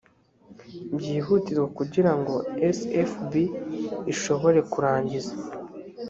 byihutirwa kugira ngo sfb ishobore kurangiza